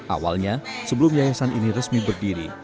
awalnya sebelum yayasan ini resmi berdiri